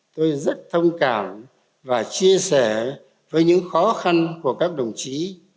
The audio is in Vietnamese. tôi rất thông cảm và chia sẻ với những khó khăn của các đồng chí